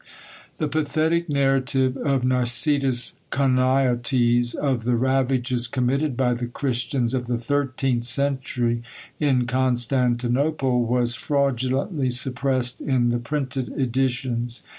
The pathetic narrative of Nicetas Choniates, of the ravages committed by the Christians of the thirteenth century in Constantinople, was fraudulently suppressed in the printed editions.